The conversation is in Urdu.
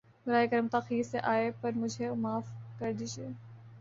براہ کرم تاخیر سے آنے پر مجھے معاف کر دیجۓ